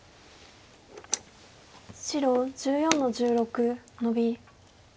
白１４の十六ノビ。